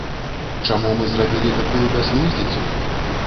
Чаму мы зрабілі такую бязглуздзіцу?